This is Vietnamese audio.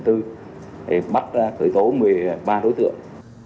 thì bắt cởi tố một mươi ba đối tượng